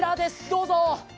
どうぞ！